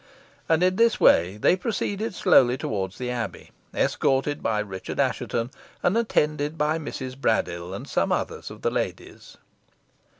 And in this way they proceeded slowly towards the Abbey, escorted by Richard Assheton, and attended by Mistress Braddyll and some others of the ladies.